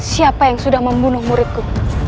siapa yang sudah membunuh muridku